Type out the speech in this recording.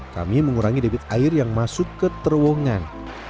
kami mengurangi debit air yang masuk ke terowongan